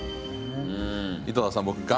井戸田さん